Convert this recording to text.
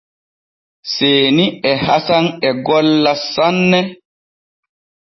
Seeni e Hasan e golla sanne.